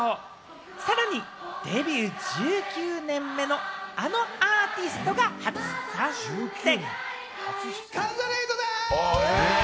さらにデビュー１９年目のあのアーティストが初参戦。